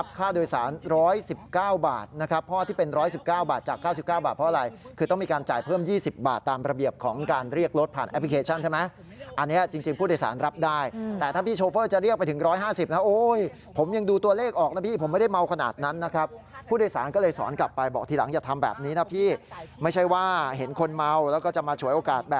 ค่าโดยสาร๑๑๙บาทนะครับพ่อที่เป็น๑๑๙บาทจาก๙๙บาทเพราะอะไรคือต้องมีการจ่ายเพิ่ม๒๐บาทตามระเบียบของการเรียกรถผ่านแอปพลิเคชันใช่ไหมอันนี้จริงผู้โดยสารรับได้แต่ถ้าพี่โชเฟอร์จะเรียกไปถึง๑๕๐นะโอ้ยผมยังดูตัวเลขออกนะพี่ผมไม่ได้เมาขนาดนั้นนะครับผู้โดยสารก็เลยสอนกลับไปบอกทีหลังอย่าทำแบบนี้นะพี่ไม่ใช่ว่าเห็นคนเมาแล้วก็จะมาฉว